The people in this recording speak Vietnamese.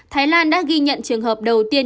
thái lan đã ghi nhận trường hợp đầu tiên